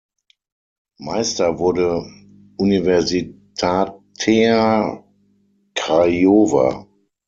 Meister wurde Universitatea Craiova.